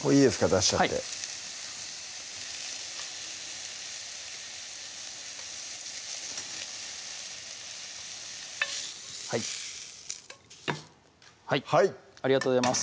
出しちゃってはいはいありがとうございます